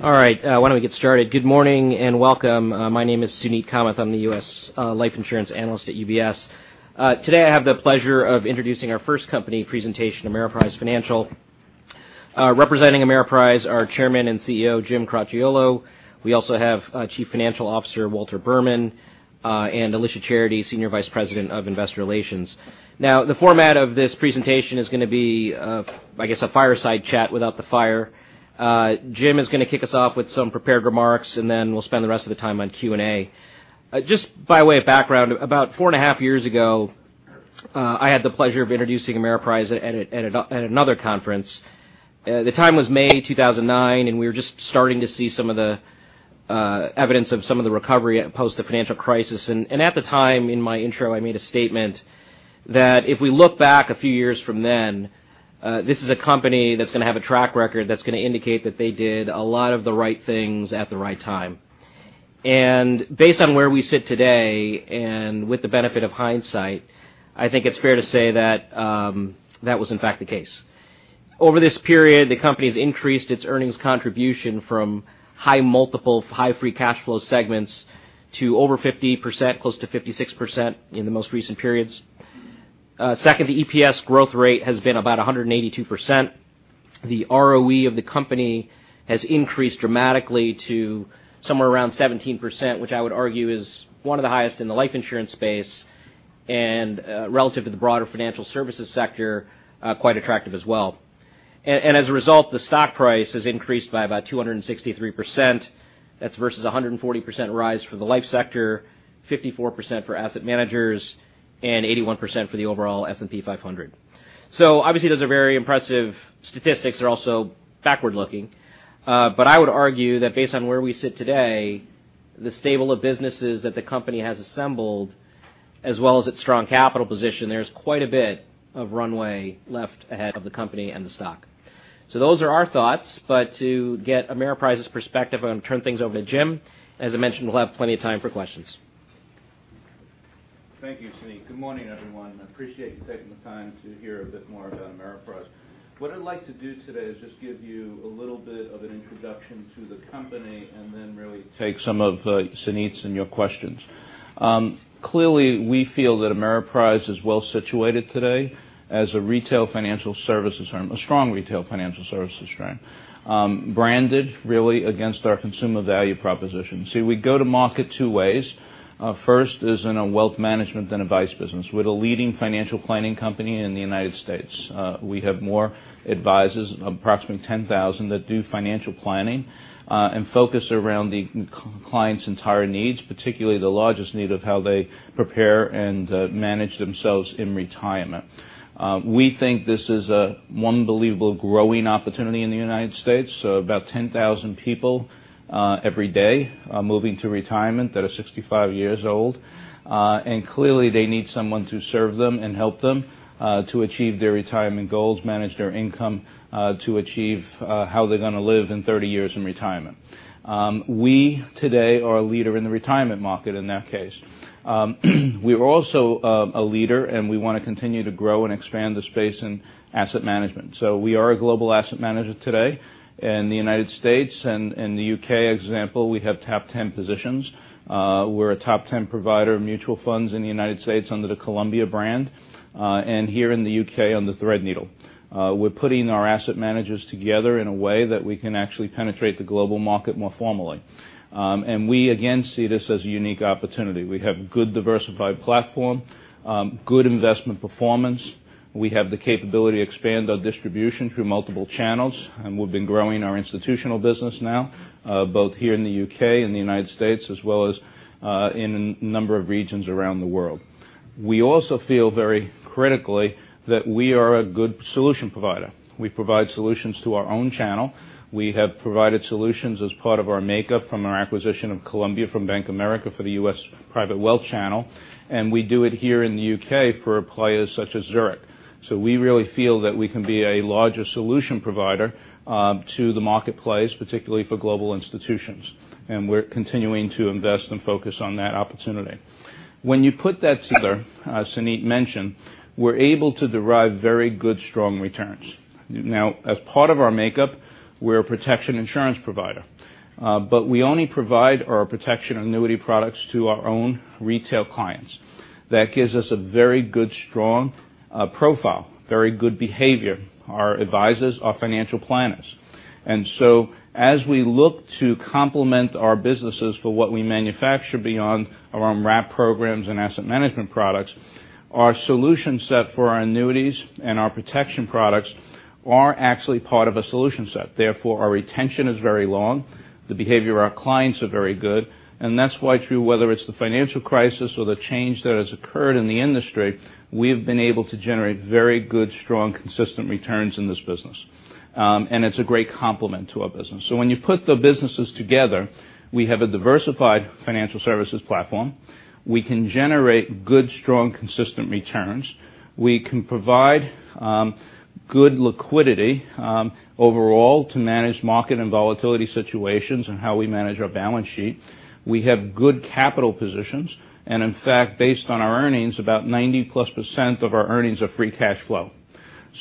Good morning and welcome. My name is Suneet Kamath. I am the U.S. life insurance analyst at UBS. Today, I have the pleasure of introducing our first company presentation, Ameriprise Financial. Representing Ameriprise are Chairman and CEO, Jim Cracchiolo. We also have Chief Financial Officer, Walter Berman, and Alicia Charity, Senior Vice President of Investor Relations. The format of this presentation is going to be, I guess, a fireside chat without the fire. Jim is going to kick us off with some prepared remarks, then we will spend the rest of the time on Q&A. Just by way of background, about four and a half years ago, I had the pleasure of introducing Ameriprise at another conference. The time was May 2009, and we were just starting to see some of the evidence of some of the recovery post the financial crisis. At the time, in my intro, I made a statement that if we look back a few years from then, this is a company that is going to have a track record that is going to indicate that they did a lot of the right things at the right time. Based on where we sit today and with the benefit of hindsight, I think it is fair to say that was, in fact, the case. Over this period, the company has increased its earnings contribution from high multiple, high free cash flow segments to over 50%, close to 56% in the most recent periods. Second, the EPS growth rate has been about 182%. The ROE of the company has increased dramatically to somewhere around 17%, which I would argue is one of the highest in the life insurance space, and relative to the broader financial services sector, quite attractive as well. As a result, the stock price has increased by about 263%. That is versus 140% rise for the life sector, 54% for asset managers, and 81% for the overall S&P 500. Obviously, those are very impressive statistics. They are also backward-looking. I would argue that based on where we sit today, the stable of businesses that the company has assembled, as well as its strong capital position, there is quite a bit of runway left ahead of the company and the stock. Those are our thoughts. To get Ameriprise's perspective, I am going to turn things over to Jim. As I mentioned, we will have plenty of time for questions. Thank you, Suneet. Good morning, everyone. I appreciate you taking the time to hear a bit more about Ameriprise. What I would like to do today is just give you a little bit of an introduction to the company, then really take some of Suneet's and your questions. Clearly, we feel that Ameriprise is well situated today as a retail financial services firm, a strong retail financial services firm, branded really against our consumer value proposition. We go to market two ways. First is in a wealth management and advice business. We are the leading financial planning company in the U.S. We have more advisors, approximately 10,000, that do financial planning, and focus around the client's entire needs, particularly the largest need of how they prepare and manage themselves in retirement. We think this is one believable growing opportunity in the U.S. About 10,000 people every day are moving to retirement that are 65 years old. Clearly, they need someone to serve them and help them to achieve their retirement goals, manage their income, to achieve how they're going to live in 30 years in retirement. We today are a leader in the retirement market in that case. We are also a leader, and we want to continue to grow and expand the space in asset management. We are a global asset manager today. In the U.S. and the U.K. example, we have top 10 positions. We're a top 10 provider of mutual funds in the U.S. under the Columbia brand, and here in the U.K. on the Threadneedle. We're putting our asset managers together in a way that we can actually penetrate the global market more formally. We again see this as a unique opportunity. We have good diversified platform, good investment performance. We have the capability to expand our distribution through multiple channels, and we've been growing our institutional business now, both here in the U.K. and the U.S., as well as in a number of regions around the world. We also feel very critically that we are a good solution provider. We provide solutions to our own channel. We have provided solutions as part of our makeup from our acquisition of Columbia from Bank of America for the U.S. private wealth channel, and we do it here in the U.K. for players such as Zurich. We really feel that we can be a larger solution provider to the marketplace, particularly for global institutions. We're continuing to invest and focus on that opportunity. When you put that together, as Suneet mentioned, we're able to derive very good, strong returns. Now, as part of our makeup, we're a protection insurance provider. We only provide our protection annuity products to our own retail clients. That gives us a very good, strong profile, very good behavior. Our advisors are financial planners. As we look to complement our businesses for what we manufacture beyond our own wrap programs and asset management products, our solution set for our annuities and our protection products are actually part of a solution set. Therefore, our retention is very long. The behavior of our clients are very good. That's why through, whether it's the financial crisis or the change that has occurred in the industry, we have been able to generate very good, strong, consistent returns in this business. It's a great complement to our business. When you put the businesses together, we have a diversified financial services platform. We can generate good, strong, consistent returns. We can provide good liquidity overall to manage market and volatility situations and how we manage our balance sheet. We have good capital positions. In fact, based on our earnings, about 90+% of our earnings are free cash flow.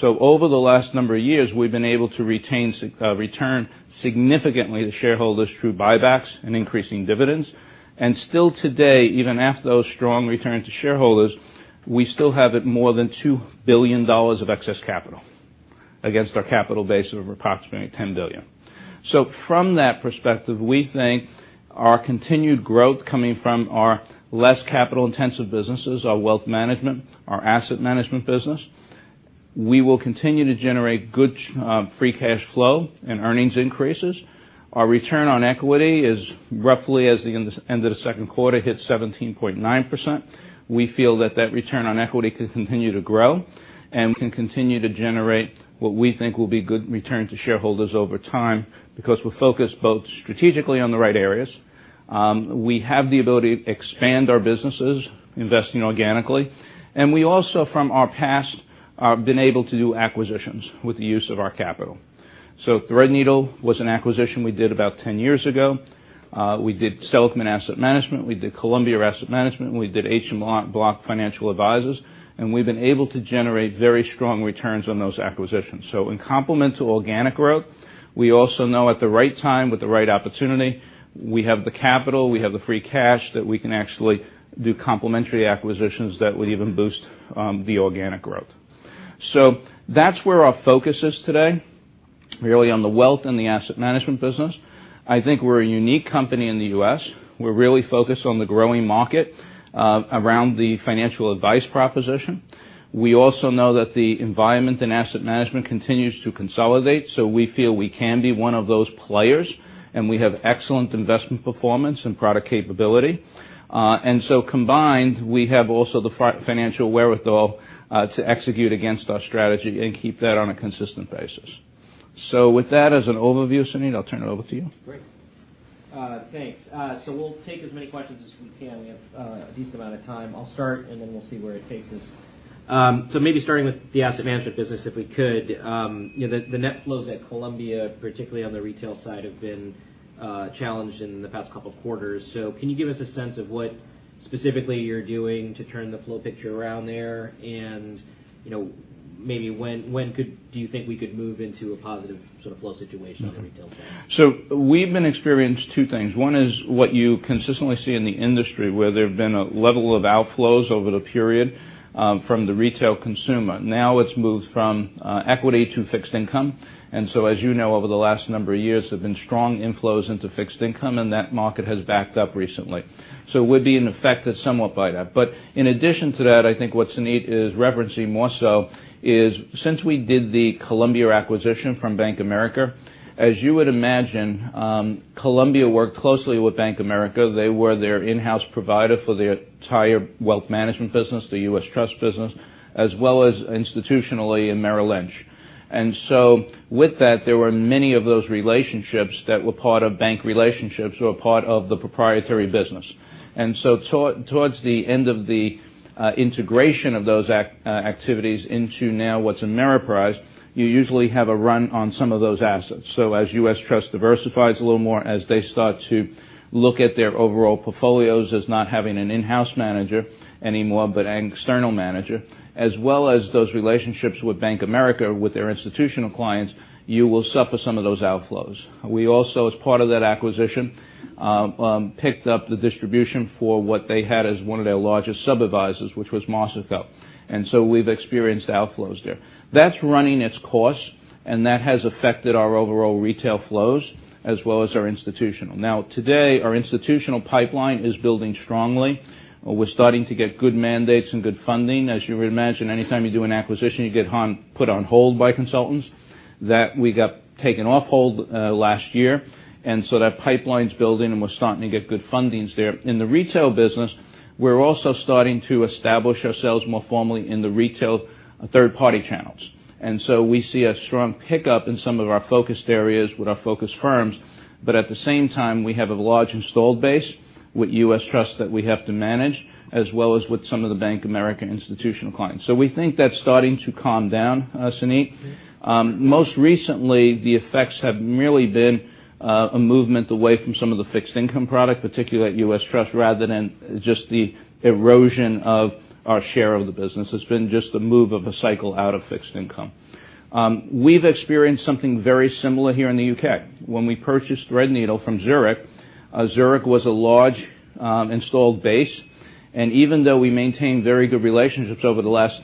Over the last number of years, we've been able to return significantly to shareholders through buybacks and increasing dividends. Still today, even after those strong returns to shareholders, we still have more than $2 billion of excess capital against our capital base of approximately $10 billion. From that perspective, we think our continued growth coming from our less capital-intensive businesses, our wealth management, our asset management business, we will continue to generate good free cash flow and earnings increases. Our return on equity is roughly, as at the end of the second quarter, hit 17.9%. We feel that that return on equity could continue to grow, and we can continue to generate what we think will be good return to shareholders over time because we're focused both strategically on the right areas. We have the ability to expand our businesses, investing organically, and we also from our past, have been able to do acquisitions with the use of our capital. Threadneedle was an acquisition we did about 10 years ago. We did Seligman Asset Management, we did Columbia Asset Management, and we did H&R Block Financial Advisors. We've been able to generate very strong returns on those acquisitions. In complement to organic growth, we also know at the right time, with the right opportunity, we have the capital, we have the free cash that we can actually do complementary acquisitions that will even boost the organic growth. Great. Thanks. We'll take as many questions as we can. We have a decent amount of time. I'll start, and then we'll see where it takes us. from the retail consumer. Now it's moved from equity to fixed income. As you know, over the last number of years, there've been strong inflows into fixed income, and that market has backed up recently. We've been affected somewhat by that. In addition to that, I think what Suneet is referencing more so is since we did the Columbia acquisition from Bank America, as you would imagine, Columbia worked closely with Bank America. They were their in-house provider for the entire wealth management business, the U.S. Trust business, as well as institutionally in Merrill Lynch. With that, there were many of those relationships that were part of bank relationships who are part of the proprietary business. Towards the end of the integration of those activities into now what is Ameriprise, you usually have a run on some of those assets. As U.S. Trust diversifies a little more, as they start to look at their overall portfolios as not having an in-house manager anymore, but an external manager, as well as those relationships with Bank America, with their institutional clients, you will suffer some of those outflows. We also, as part of that acquisition, picked up the distribution for what they had as one of their largest sub-advisors, which was Marsico. We have experienced outflows there. That is running its course, and that has affected our overall retail flows as well as our institutional. Today, our institutional pipeline is building strongly. We are starting to get good mandates and good funding. As you would imagine, anytime you do an acquisition, you get put on hold by consultants. That we got taken off hold last year. That pipeline is building and we are starting to get good fundings there. In the retail business, we are also starting to establish ourselves more formally in the retail third-party channels. We see a strong pickup in some of our focused areas with our focus firms. At the same time, we have a large installed base with U.S. Trust that we have to manage, as well as with some of the Bank America institutional clients. We think that is starting to calm down, Suneet. Most recently, the effects have merely been a movement away from some of the fixed income product, particularly at U.S. Trust, rather than just the erosion of our share of the business. It has been just the move of a cycle out of fixed income. We have experienced something very similar here in the U.K. When we purchased Threadneedle from Zurich was a large installed base. Even though we maintained very good relationships over the last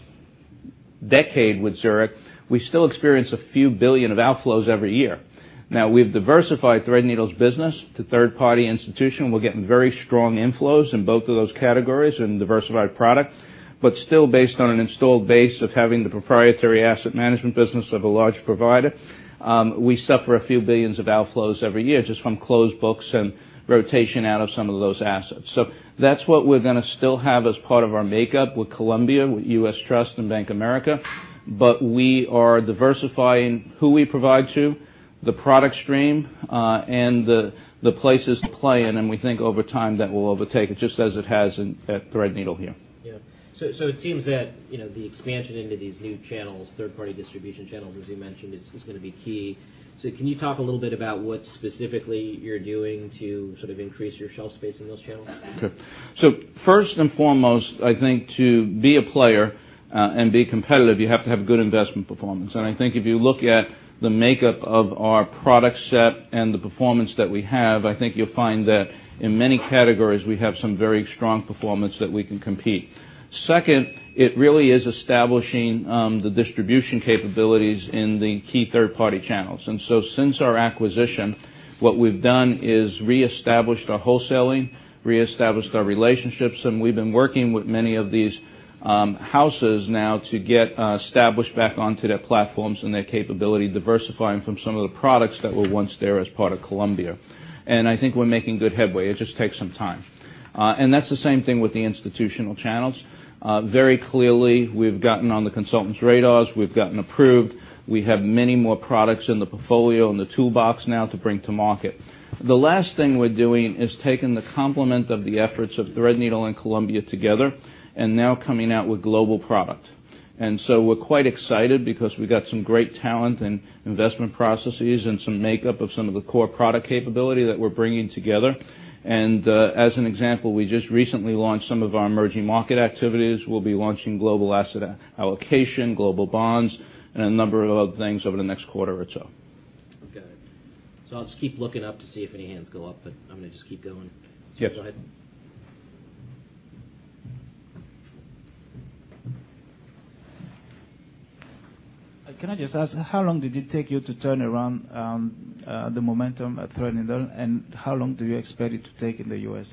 decade with Zurich, we still experience a few billion GBP of outflows every year. We have diversified Threadneedle's business to third-party institution. We are getting very strong inflows in both of those categories in diversified product. Still based on an installed base of having the proprietary asset management business of a large provider, we suffer a few billions GBP of outflows every year just from closed books and rotation out of some of those assets. That is what we are going to still have as part of our makeup with Columbia, with U.S. Trust and Bank America. We are diversifying who we provide to, the product stream, and the places to play in. We think over time that will overtake it just as it has at Threadneedle here. It seems that the expansion into these new channels, third-party distribution channels, as you mentioned, is going to be key. Can you talk a little bit about what specifically you're doing to sort of increase your shelf space in those channels? First and foremost, I think to be a player and be competitive, you have to have good investment performance. I think if you look at the makeup of our product set and the performance that we have, I think you'll find that in many categories, we have some very strong performance that we can compete. Second, it really is establishing the distribution capabilities in the key third-party channels. Since our acquisition, what we've done is re-established our wholesaling, re-established our relationships, and we've been working with many of these houses now to get established back onto their platforms and their capability, diversifying from some of the products that were once there as part of Columbia. I think we're making good headway. It just takes some time. That's the same thing with the institutional channels. Very clearly, we've gotten on the consultants' radars. We've gotten approved. We have many more products in the portfolio, in the toolbox now to bring to market. The last thing we're doing is taking the complement of the efforts of Threadneedle and Columbia together and now coming out with global product. We're quite excited because we got some great talent and investment processes and some makeup of some of the core product capability that we're bringing together. As an example, we just recently launched some of our emerging market activities. We'll be launching global asset allocation, global bonds, and a number of other things over the next quarter or so. I'll just keep looking up to see if any hands go up, I'm going to just keep going. Yes. Go ahead. Can I just ask, how long did it take you to turn around the momentum at Threadneedle, and how long do you expect it to take in the U.S.?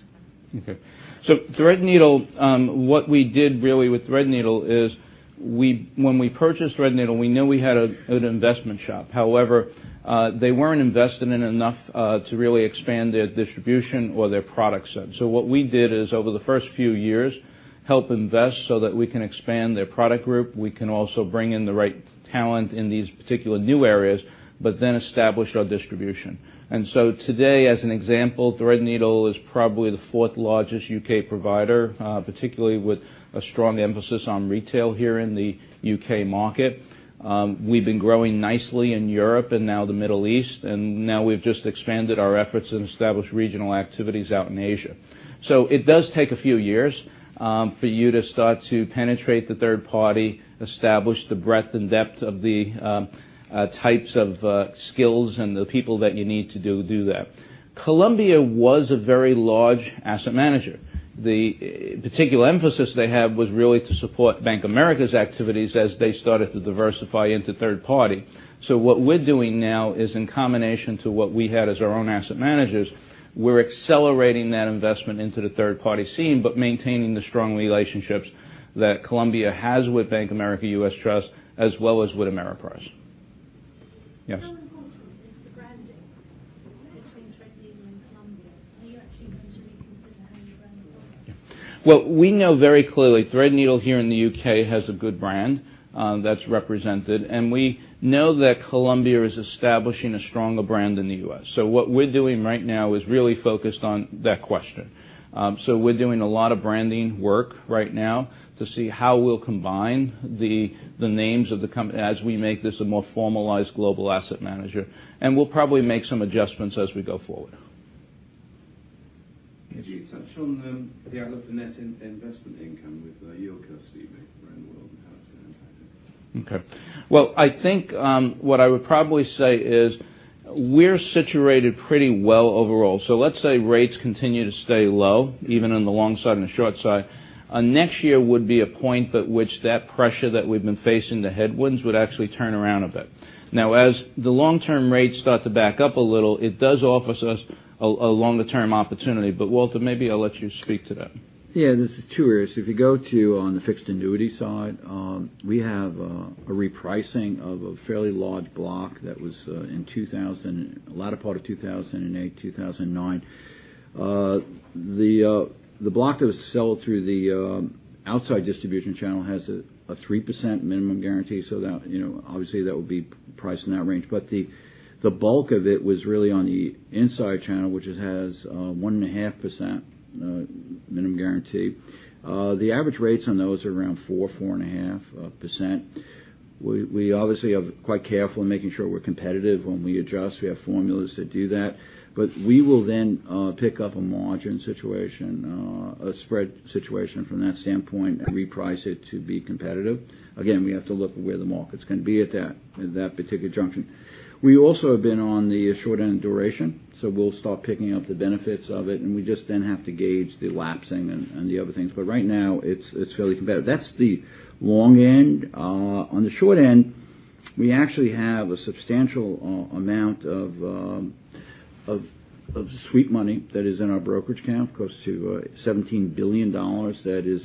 Threadneedle, what we did really with Threadneedle is when we purchased Threadneedle, we knew we had an investment shop. However, they weren't invested in enough to really expand their distribution or their product set. What we did is over the first few years, help invest so that we can expand their product group. We can also bring in the right talent in these particular new areas, but then establish our distribution. Today, as an example, Threadneedle is probably the fourth largest U.K. provider, particularly with a strong emphasis on retail here in the U.K. market. We've been growing nicely in Europe and now the Middle East, and now we've just expanded our efforts and established regional activities out in Asia. It does take a few years for you to start to penetrate the third party, establish the breadth and depth of the types of skills and the people that you need to do that. Columbia was a very large asset manager. The particular emphasis they have was really to support Bank of America's activities as they started to diversify into third party. What we're doing now is in combination to what we had as our own asset managers. We're accelerating that investment into the third-party scene, but maintaining the strong relationships that Columbia has with Bank of America, U.S. Trust, as well as with Ameriprise. Yes. How important is the branding between Threadneedle and Columbia? Are you actually going to reconsider how you brand it all? Well, we know very clearly, Threadneedle here in the U.K. has a good brand that's represented, and we know that Columbia is establishing a stronger brand in the U.S. What we're doing right now is really focused on that question. We're doing a lot of branding work right now to see how we'll combine the names of the as we make this a more formalized global asset manager. We'll probably make some adjustments as we go forward. Okay. Can you touch on the net investment income with yield curve steepening around the world and how it's going to impact it? Okay. Well, I think what I would probably say is we're situated pretty well overall. Let's say rates continue to stay low, even in the long side and the short side. Next year would be a point at which that pressure that we've been facing, the headwinds, would actually turn around a bit. Now, as the long-term rates start to back up a little, it does offer us a longer-term opportunity. Walter, maybe I'll let you speak to that. Yeah, this is two areas. If you go to on the fixed annuity side, we have a repricing of a fairly large block that was in the latter part of 2008, 2009. The block that was sold through the outside distribution channel has a 3% minimum guarantee, so obviously that would be priced in that range. The bulk of it was really on the inside channel, which has 1.5% minimum guarantee. The average rates on those are around 4%, 4.5%. We obviously are quite careful in making sure we're competitive when we adjust. We have formulas that do that. We will then pick up a margin situation, a spread situation from that standpoint and reprice it to be competitive. Again, we have to look at where the market's going to be at that particular junction. We also have been on the short-end duration, we'll start picking up the benefits of it, and we just then have to gauge the lapsing and the other things. Right now, it's fairly competitive. That's the long end. On the short end, we actually have a substantial amount of sweep money that is in our brokerage account, close to $17 billion that is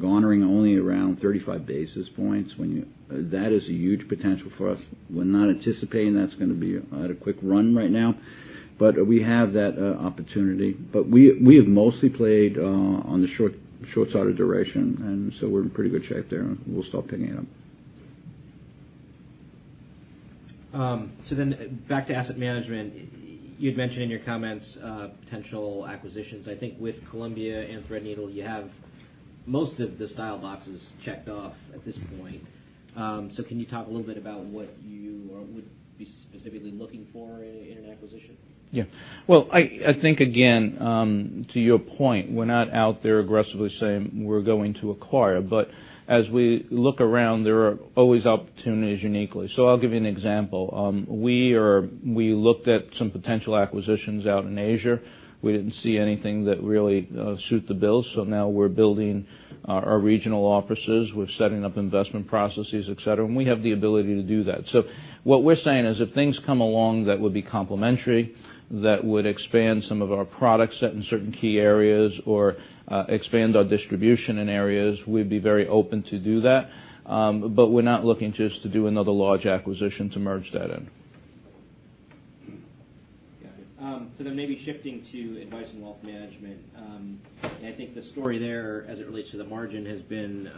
garnering only around 35 basis points. That is a huge potential for us. We're not anticipating that's going to be at a quick run right now, we have that opportunity. We have mostly played on the short side of duration, we're in pretty good shape there, and we'll start picking it up. Back to asset management. You had mentioned in your comments potential acquisitions. I think with Columbia and Threadneedle, you have most of the style boxes checked off at this point. Can you talk a little bit about what you would be specifically looking for in an acquisition? Yeah. Well, I think, again, to your point, we're not out there aggressively saying we're going to acquire, as we look around, there are always opportunities uniquely. I'll give you an example. We looked at some potential acquisitions out in Asia. We didn't see anything that really suit the bill. Now we're building our regional offices, we're setting up investment processes, et cetera, and we have the ability to do that. What we're saying is if things come along that would be complementary, that would expand some of our products in certain key areas or expand our distribution in areas, we'd be very open to do that. We're not looking just to do another large acquisition to merge that in. Got it. Maybe shifting to advice and wealth management. I think the story there, as it relates to the margin, has been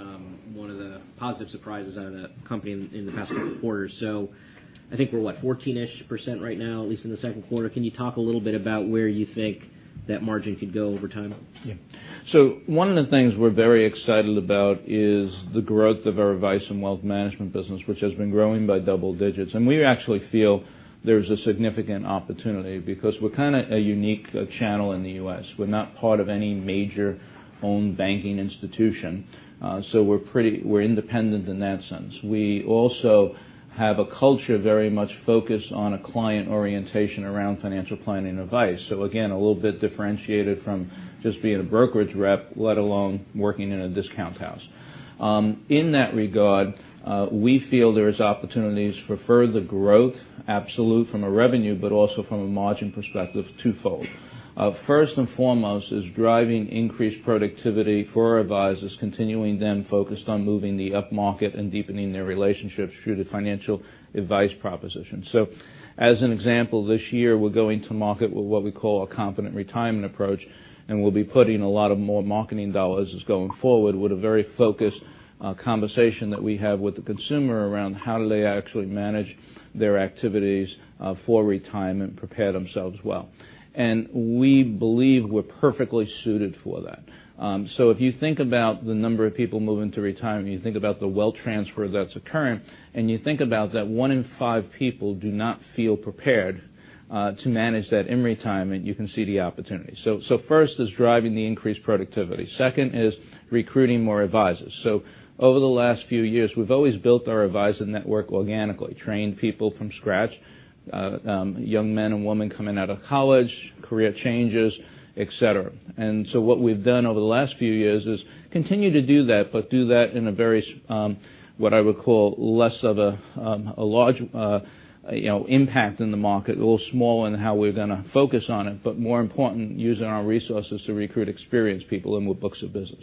one of the positive surprises out of the company in the past couple of quarters. I think we're what, 14%-ish right now, at least in the second quarter. Can you talk a little bit about where you think that margin could go over time? Yeah. One of the things we're very excited about is the growth of our advice and wealth management business, which has been growing by double digits. We actually feel there's a significant opportunity because we're a unique channel in the U.S. We're not part of any major owned banking institution. We're independent in that sense. We also have a culture very much focused on a client orientation around financial planning advice. Again, a little bit differentiated from just being a brokerage rep, let alone working in a discount house. In that regard, we feel there is opportunities for further growth, absolute from a revenue, but also from a margin perspective, twofold. First and foremost, is driving increased productivity for our advisors, continuing them focused on moving the upmarket and deepening their relationships through the financial advice proposition. As an example, this year, we're going to market with what we call a Confident Retirement approach, and we'll be putting a lot of more marketing dollars going forward with a very focused conversation that we have with the consumer around how do they actually manage their activities for retirement, prepare themselves well. We believe we're perfectly suited for that. If you think about the number of people moving to retirement, you think about the wealth transfer that's occurring, and you think about that one in five people do not feel prepared to manage that in retirement, you can see the opportunity. First is driving the increased productivity. Second is recruiting more advisors. Over the last few years, we've always built our advisor network organically, trained people from scratch, young men and women coming out of college, career changes, et cetera. What we've done over the last few years is continue to do that, but do that in a very, what I would call less of a large impact in the market, a little smaller in how we're going to focus on it, but more important, using our resources to recruit experienced people in with books of business.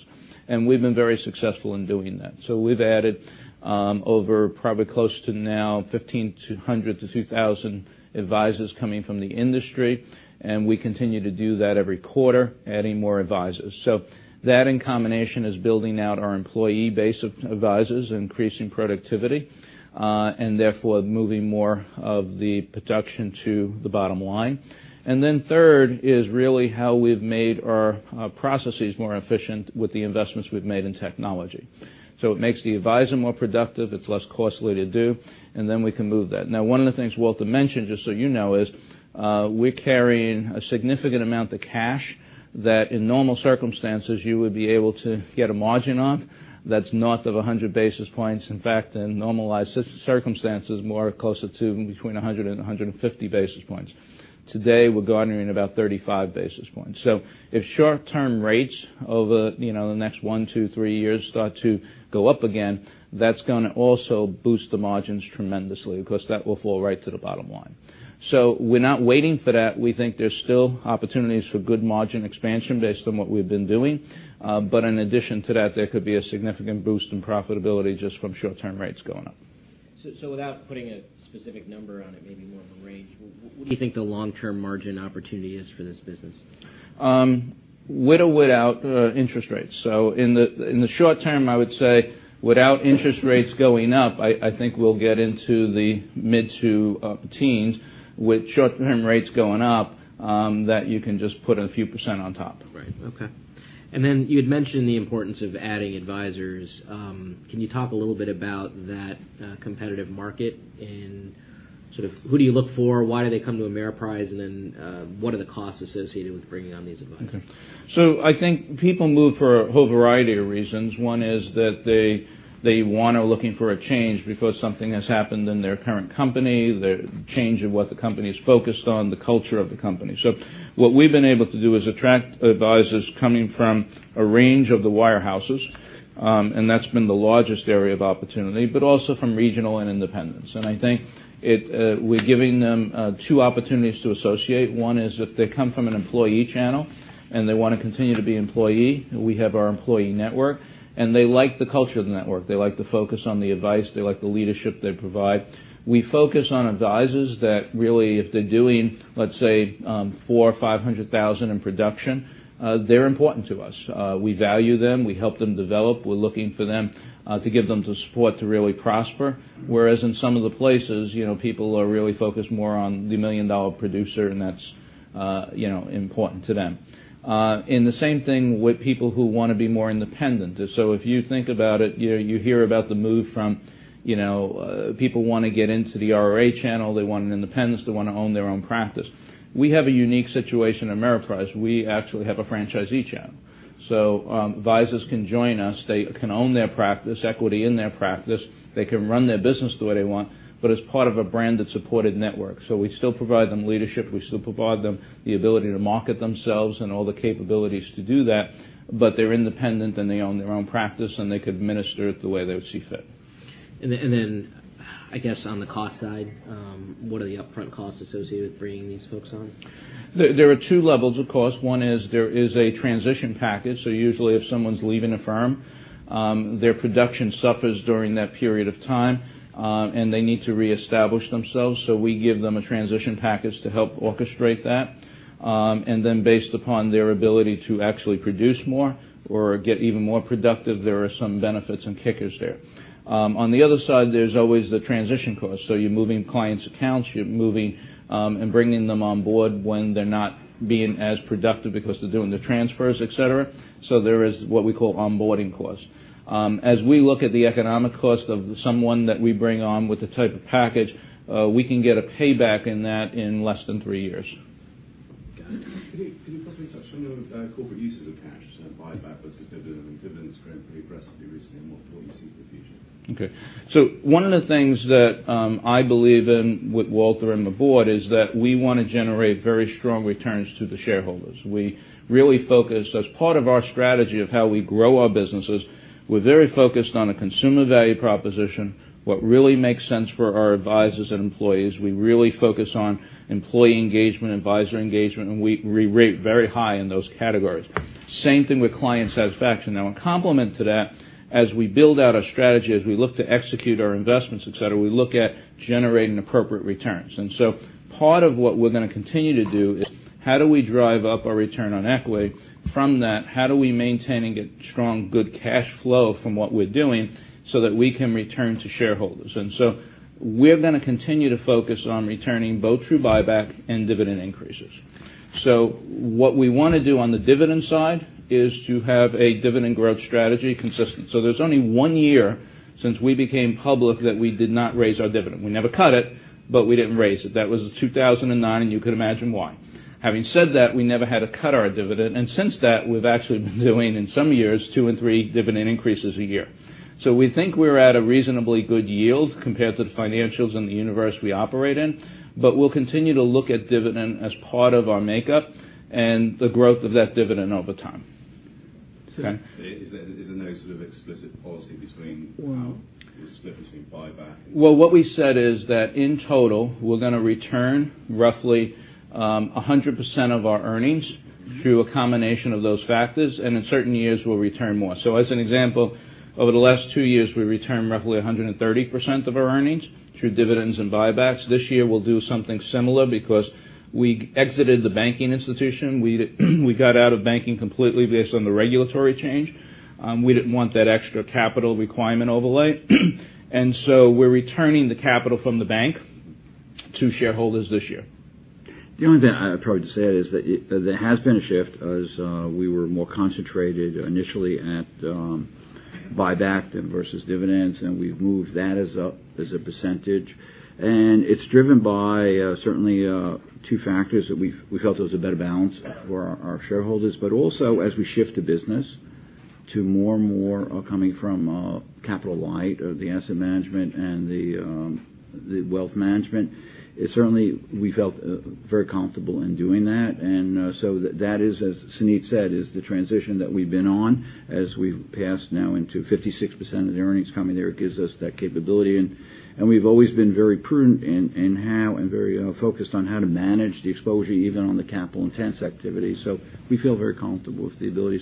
We've been very successful in doing that. We've added over probably close to now 1,500 to 2,000 advisors coming from the industry, and we continue to do that every quarter, adding more advisors. That in combination is building out our employee base of advisors, increasing productivity, and therefore moving more of the production to the bottom line. Then third is really how we've made our processes more efficient with the investments we've made in technology. It makes the advisor more productive, it's less costly to do, we can move that. One of the things Walter mentioned, just so you know, is we're carrying a significant amount of cash that in normal circumstances you would be able to get a margin on that's north of 100 basis points. In fact, in normalized circumstances, more closer to between 100 and 150 basis points. Today, we're garnering about 35 basis points. If short-term rates over the next one, two, three years start to go up again, that's going to also boost the margins tremendously because that will flow right to the bottom line. We're not waiting for that. We think there's still opportunities for good margin expansion based on what we've been doing. In addition to that, there could be a significant boost in profitability just from short-term rates going up. Without putting a specific number on it, maybe more of a range, what do you think the long-term margin opportunity is for this business? With or without interest rates. In the short term, I would say without interest rates going up, I think we'll get into the mid-to-teens. With short-term rates going up, that you can just put a few % on top. Right. Okay. You had mentioned the importance of adding advisors. Can you talk a little bit about that competitive market and sort of who do you look for, why do they come to Ameriprise, what are the costs associated with bringing on these advisors? Okay. I think people move for a whole variety of reasons. One is that they want or looking for a change because something has happened in their current company, the change of what the company is focused on, the culture of the company. What we've been able to do is attract advisors coming from a range of the wirehouses, and that's been the largest area of opportunity, but also from regional and independents. I think we're giving them two opportunities to associate. One is if they come from an employee channel and they want to continue to be employee, we have our employee network, and they like the culture of the network. They like the focus on the advice. They like the leadership they provide. We focus on advisors that really, if they're doing, let's say, $400,000 or $500,000 in production, they're important to us. We value them. We help them develop. We're looking for them to give them the support to really prosper. Whereas in some of the places, people are really focused more on the million-dollar producer, and that's important to them. The same thing with people who want to be more independent. If you think about it, you hear about the move from people want to get into the RIA channel, they want an independence, they want to own their own practice. We have a unique situation at Ameriprise. We actually have a franchisee channel. Advisors can join us. They can own their practice, equity in their practice. They can run their business the way they want, but it's part of a branded, supported network. We still provide them leadership, we still provide them the ability to market themselves and all the capabilities to do that, but they're independent, and they own their own practice, and they could administer it the way they see fit. I guess on the cost side, what are the upfront costs associated with bringing these folks on? There are two levels of cost. One is there is a transition package. Usually, if someone's leaving a firm, their production suffers during that period of time, and they need to reestablish themselves. We give them a transition package to help orchestrate that. Based upon their ability to actually produce more or get even more productive, there are some benefits and kickers there. On the other side, there's always the transition cost. You're moving clients' accounts, you're moving and bringing them on board when they're not being as productive because they're doing the transfers, et cetera. There is what we call onboarding cost. As we look at the economic cost of someone that we bring on with the type of package, we can get a payback in that in less than three years. Got it. Can you possibly touch on the corporate uses of cash to buy back versus dividends growing pretty aggressively recently and what more we see in the future? Okay. One of the things that I believe in with Walter and the board is that we want to generate very strong returns to the shareholders. We really focus as part of our strategy of how we grow our businesses. We're very focused on a consumer value proposition, what really makes sense for our advisors and employees. We really focus on employee engagement, advisor engagement, and we rate very high in those categories. Same thing with client satisfaction. Now, in complement to that, as we build out our strategy, as we look to execute our investments, et cetera, we look at generating appropriate returns. Part of what we're going to continue to do is how do we drive up our return on equity from that, how do we maintain and get strong, good cash flow from what we're doing so that we can return to shareholders? We're going to continue to focus on returning both through buyback and dividend increases. What we want to do on the dividend side is to have a dividend growth strategy consistent. There's only one year since we became public that we did not raise our dividend. We never cut it, but we didn't raise it. That was in 2009, and you could imagine why. Having said that, we never had to cut our dividend, and since that, we've actually been doing, in some years, two and three dividend increases a year. We think we're at a reasonably good yield compared to the financials in the universe we operate in. We'll continue to look at dividend as part of our makeup and the growth of that dividend over time. Okay. Is there no sort of explicit policy between how the split between buyback and- Well, what we said is that in total, we're going to return roughly 100% of our earnings through a combination of those factors, and in certain years, we'll return more. As an example, over the last two years, we returned roughly 130% of our earnings through dividends and buybacks. This year, we'll do something similar because we exited the banking institution. We got out of banking completely based on the regulatory change. We didn't want that extra capital requirement overlay. We're returning the capital from the bank to shareholders this year. The only thing I'd probably just add is that there has been a shift as we were more concentrated initially at buyback than versus dividends, and we've moved that as a percentage. It's driven by certainly two factors that we felt there was a better balance for our shareholders, but also as we shift the business to more and more coming from capital light of the asset management and the wealth management. Certainly, we felt very comfortable in doing that. That is, as Suneet said, is the transition that we've been on as we've passed now into 56% of the earnings coming there gives us that capability, and we've always been very prudent and very focused on how to manage the exposure, even on the capital intense activity. We feel very comfortable with the ability.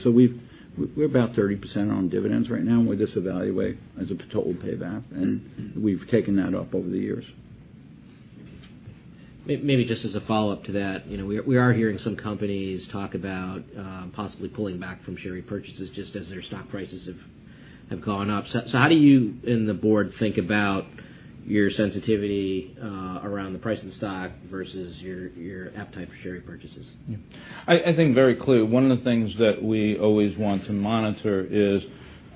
We're about 30% on dividends right now, and we just evaluate as a total payback, and we've taken that up over the years. Maybe just as a follow-up to that. We are hearing some companies talk about possibly pulling back from share repurchases just as their stock prices have gone up. How do you and the Board think about your sensitivity around the price of the stock versus your appetite for share repurchases? I think very clear. One of the things that we always want to monitor is,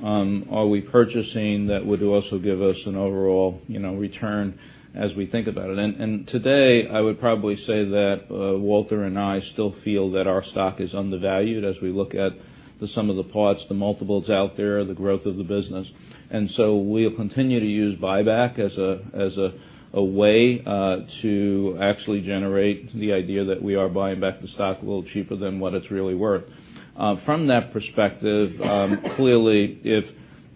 are we purchasing that would also give us an overall return as we think about it? Today, I would probably say that Walter and I still feel that our stock is undervalued as we look at the sum of the parts, the multiples out there, the growth of the business. We'll continue to use buyback as a way to actually generate the idea that we are buying back the stock a little cheaper than what it's really worth. From that perspective, clearly, if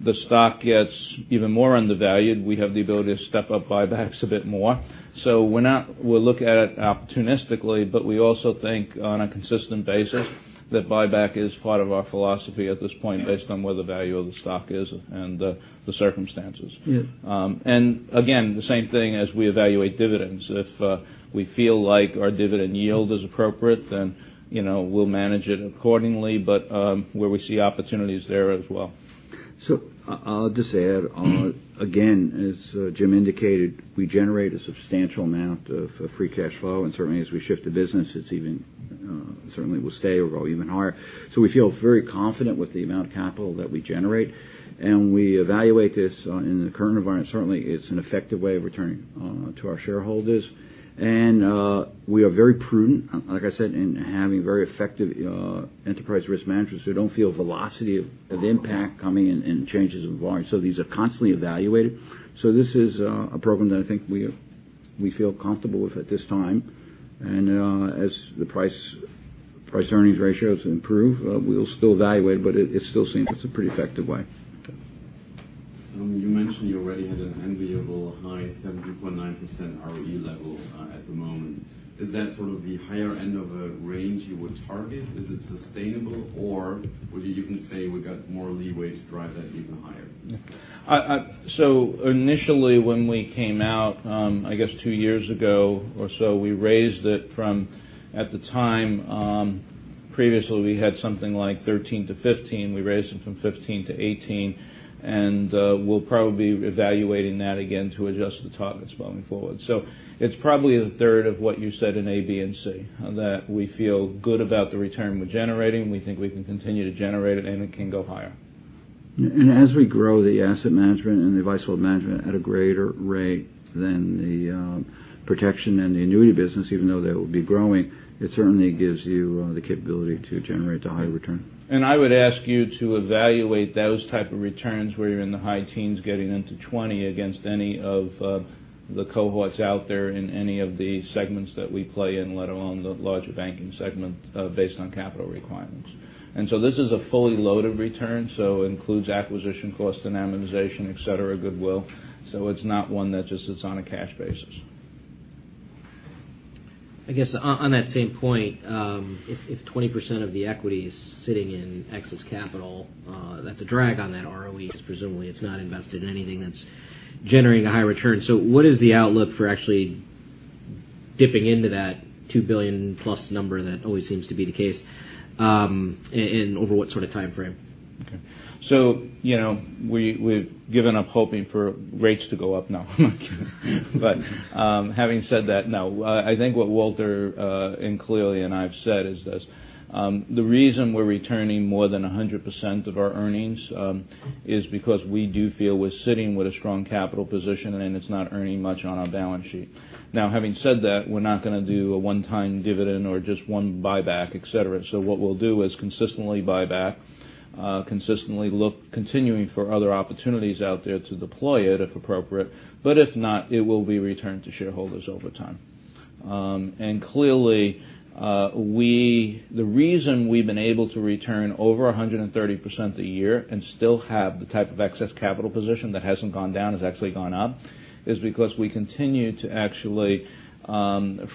the stock gets even more undervalued, we have the ability to step up buybacks a bit more. We'll look at it opportunistically, but we also think on a consistent basis that buyback is part of our philosophy at this point based on where the value of the stock is and the circumstances. Yeah. Again, the same thing as we evaluate dividends. If we feel like our dividend yield is appropriate, then we'll manage it accordingly, but where we see opportunities there as well. I'll just add on. Again, as Jim indicated, we generate a substantial amount of free cash flow, and certainly as we shift the business, it certainly will stay or grow even higher. We feel very confident with the amount of capital that we generate. We evaluate this in the current environment. Certainly, it's an effective way of returning to our shareholders. We are very prudent, like I said, in having very effective enterprise risk management, so we don't feel velocity of impact coming in and changes in volume. These are constantly evaluated. This is a program that I think we feel comfortable with at this time. As the price earnings ratios improve, we'll still evaluate, but it still seems it's a pretty effective way. Okay. You mentioned you already had an enviable high 17.9% ROE level at the moment. Is that sort of the higher end of a range you would target? Is it sustainable or would you even say we've got more leeway to drive that even higher? Initially when we came out, I guess two years ago or so, we raised it from, at the time, previously we had something like 13-15. We raised it from 15-18, and we'll probably be evaluating that again to adjust the targets going forward. It's probably a third of what you said in A, B, and C, that we feel good about the return we're generating. We think we can continue to generate it, and it can go higher. As we grow the asset management and the wealth management at a greater rate than the protection and the annuity business, even though that will be growing, it certainly gives you the capability to generate a higher return. I would ask you to evaluate those type of returns where you're in the high teens getting into 20 against any of the cohorts out there in any of the segments that we play in, let alone the larger banking segment, based on capital requirements. This is a fully loaded return, so includes acquisition costs and amortization, et cetera, goodwill. It's not one that just sits on a cash basis. I guess on that same point, if 20% of the equity is sitting in excess capital, that's a drag on that ROE, because presumably it's not invested in anything that's generating a high return. What is the outlook for actually dipping into that $2 billion-plus number that always seems to be the case, and over what sort of time frame? Okay. We've given up hoping for rates to go up now. Having said that, no. I think what Walter and clearly and I've said is this, the reason we're returning more than 100% of our earnings is because we do feel we're sitting with a strong capital position, and it's not earning much on our balance sheet. Having said that, we're not going to do a one-time dividend or just one buyback, et cetera. What we'll do is consistently buy back, consistently look continuing for other opportunities out there to deploy it if appropriate. If not, it will be returned to shareholders over time. Clearly, the reason we've been able to return over 130% a year and still have the type of excess capital position that hasn't gone down, has actually gone up, is because we continue to actually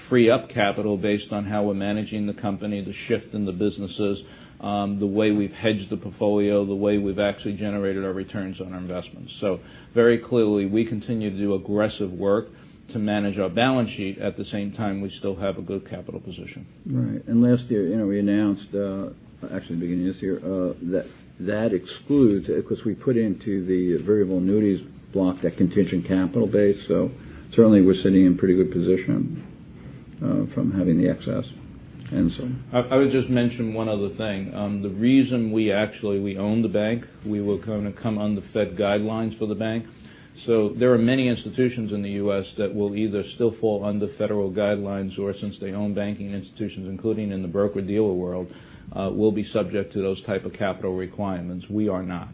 free up capital based on how we're managing the company, the shift in the businesses, the way we've hedged the portfolio, the way we've actually generated our returns on our investments. Very clearly, we continue to do aggressive work to manage our balance sheet. At the same time, we still have a good capital position. Right. Last year, we announced, actually beginning of this year, that that excludes because we put into the variable annuities block that contingent capital base. Certainly, we're sitting in pretty good position from having the excess. I would just mention one other thing. The reason we actually own the bank, we kind of come under Fed guidelines for the bank. There are many institutions in the U.S. that will either still fall under federal guidelines or since they own banking institutions, including in the broker-dealer world, will be subject to those type of capital requirements. We are not.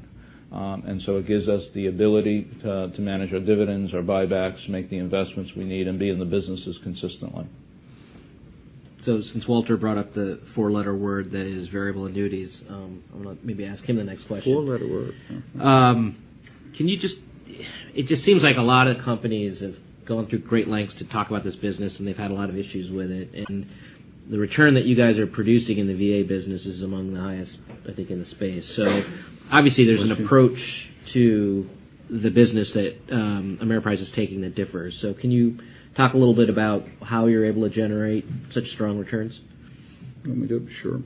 It gives us the ability to manage our dividends, our buybacks, make the investments we need, and be in the businesses consistently. Since Walter brought up the four-letter word that is variable annuities, I want to maybe ask him the next question. Four-letter word, huh. It just seems like a lot of companies have gone through great lengths to talk about this business. They've had a lot of issues with it. The return that you guys are producing in the VA business is among the highest, I think, in the space. Obviously, there's an approach to the business that Ameriprise is taking that differs. Can you talk a little bit about how you're able to generate such strong returns? You want me to? Sure.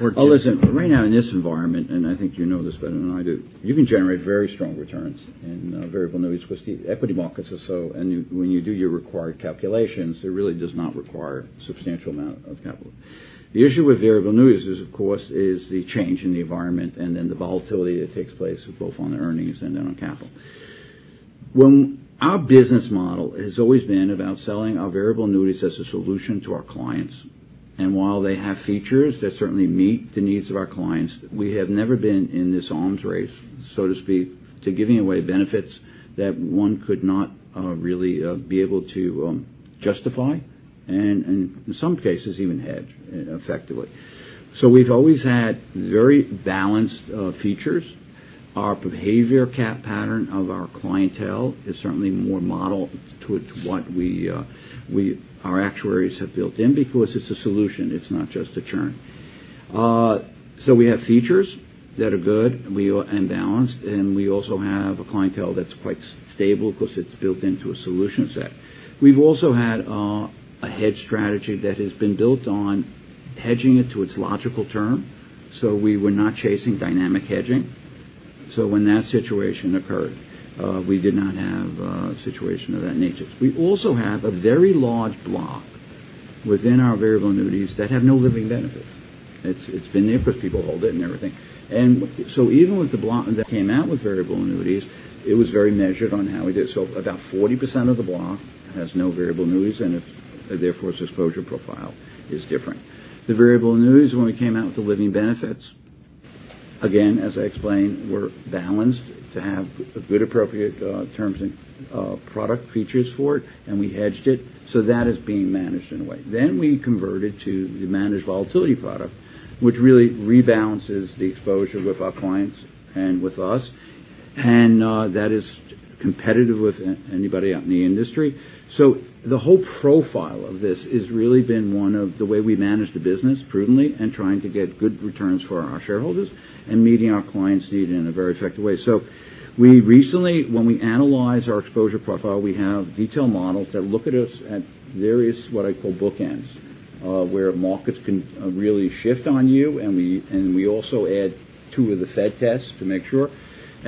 Listen, right now in this environment, and I think you know this better than I do, you can generate very strong returns in variable annuities because the equity markets are so. When you do your required calculations, it really does not require a substantial amount of capital. The issue with variable annuities, of course, is the change in the environment and then the volatility that takes place both on the earnings and then on capital. Our business model has always been about selling our variable annuities as a solution to our clients. While they have features that certainly meet the needs of our clients, we have never been in this arms race, so to speak, to giving away benefits that one could not really be able to justify, and in some cases, even hedge effectively. We've always had very balanced features. Our behavior cap pattern of our clientele is certainly more modeled to what our actuaries have built in because it's a solution. It's not just a churn. We have features that are good and balanced, and we also have a clientele that's quite stable because it's built into a solution set. We've also had a hedge strategy that has been built on hedging it to its logical term. We were not chasing dynamic hedging. When that situation occurred, we did not have a situation of that nature. We also have a very large block within our variable annuities that have no living benefits. It's been there because people hold it and everything. Even with the block that came out with variable annuities, it was very measured on how we did. About 40% of the block has no variable annuities, and therefore, its exposure profile is different. The variable annuities, when we came out with the living benefits, again, as I explained, were balanced to have good appropriate terms and product features for it, and we hedged it. That is being managed in a way. We converted to the managed volatility product, which really rebalances the exposure with our clients and with us. That is competitive with anybody out in the industry. The whole profile of this is really been one of the way we manage the business prudently and trying to get good returns for our shareholders and meeting our client's need in a very effective way. We recently, when we analyze our exposure profile, we have detailed models that look at us at various, what I call bookends, where markets can really shift on you. We also add two of the Fed tests to make sure.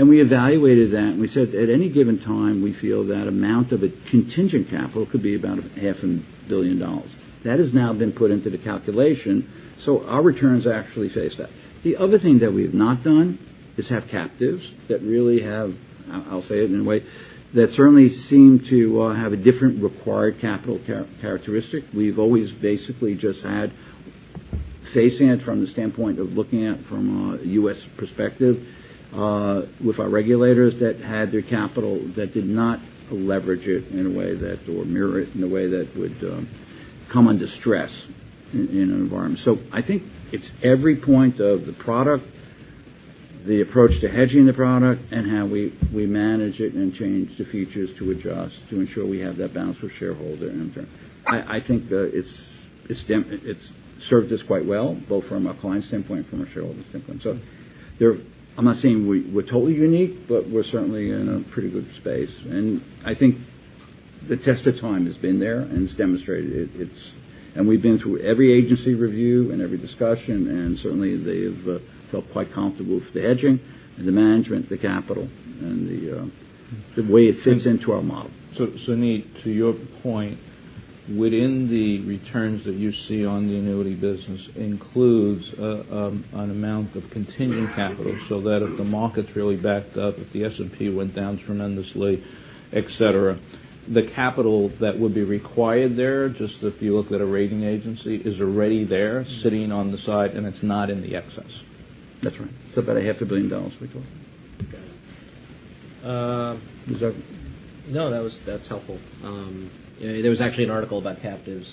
We evaluated that, and we said at any given time, we feel that amount of a contingent capital could be about half a billion dollars. That has now been put into the calculation, so our returns actually face that. The other thing that we've not done is have captives that really have, I'll say it in a way, that certainly seem to have a different required capital characteristic. We've always basically just had facing it from the standpoint of looking at it from a U.S. perspective, with our regulators that had their capital that did not leverage it in a way that, or mirror it in a way that would come under stress in an environment. I think it's every point of the product, the approach to hedging the product, and how we manage it and change the futures to adjust to ensure we have that balance for shareholder in turn. I think it's served us quite well, both from a client standpoint and from a shareholder standpoint. I'm not saying we're totally unique, but we're certainly in a pretty good space. I think the test of time has been there and it's demonstrated. We've been through every agency review and every discussion. Certainly, they've felt quite comfortable with the hedging and the management, the capital, and the way it fits into our model. Suneet, to your point, within the returns that you see on the annuity business includes an amount of contingent capital so that if the markets really backed up, if the S&P went down tremendously, et cetera, the capital that would be required there, just if you look at a rating agency, is already there sitting on the side, and it's not in the excess. That's right. About a half a billion dollars, we call it. Okay. Is that No, that's helpful. There was actually an article about captives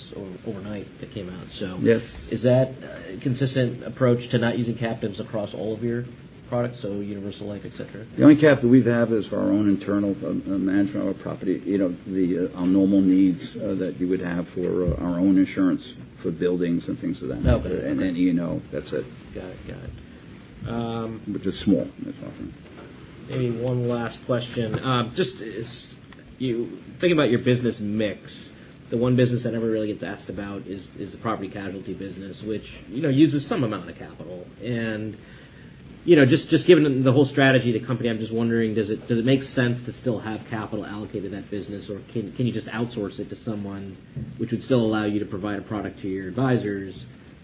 overnight that came out. Yes. Is that a consistent approach to not using captives across all of your products, so universal life, et cetera? The only captive we've have is for our own internal management of our property. Our normal needs that you would have for our own insurance, for buildings and things of that nature. Okay. That's it. Got it. Which is small. That's all. Maybe one last question. Just as you think about your business mix, the one business that never really gets asked about is the property casualty business, which uses some amount of capital. Just given the whole strategy of the company, I'm just wondering, does it make sense to still have capital allocated to that business, or can you just outsource it to someone which would still allow you to provide a product to your advisors,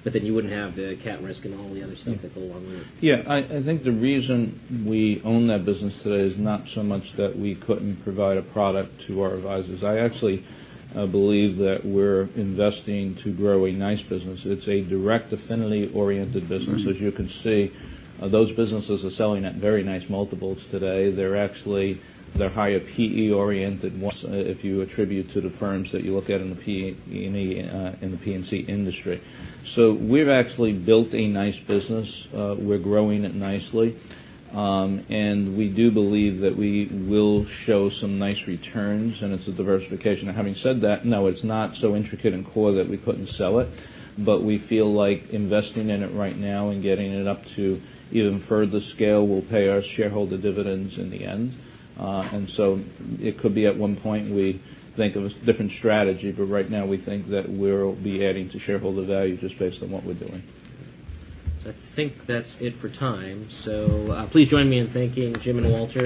but then you wouldn't have the cat risk and all the other stuff that go along with it? Yeah. I think the reason we own that business today is not so much that we couldn't provide a product to our advisors. I actually believe that we're investing to grow a nice business. It's a direct affinity-oriented business. As you can see, those businesses are selling at very nice multiples today. They're higher PE-oriented once, if you attribute to the firms that you look at in the P&C industry. We've actually built a nice business. We're growing it nicely. We do believe that we will show some nice returns, and it's a diversification. Now, having said that, no, it's not so intricate and core that we couldn't sell it. We feel like investing in it right now and getting it up to even further scale will pay our shareholder dividends in the end. It could be at one point we think of a different strategy, but right now we think that we'll be adding to shareholder value just based on what we're doing. I think that's it for time. Please join me in thanking Jim and Walter.